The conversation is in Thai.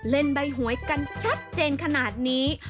ใบหวยกันชัดเจนขนาดนี้